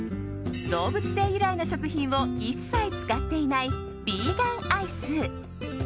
動物性由来の食品を一切使っていないヴィーガンアイス。